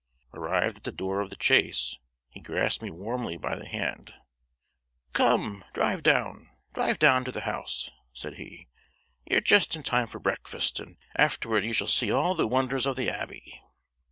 Arrived at the door of the chaise, he grasped me warmly by the hand: "Come, drive down, drive down to the house," said he, "ye're just in time for breakfast, and afterward ye shall see all the wonders of the Abbey."